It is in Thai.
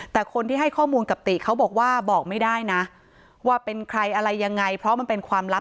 แต่คนที่ให้ข้อมูลกับติเขาบอกว่าบอกไม่ได้นะว่าเป็นใครอะไรยังไงเพราะมันเป็นความลับ